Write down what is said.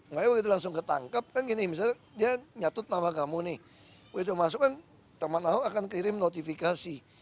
makanya begitu langsung ketangkap kan gini misalnya dia nyatut nama kamu nih begitu masuk kan teman ahok akan kirim notifikasi